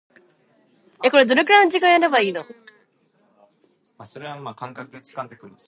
Its crew consists of three people.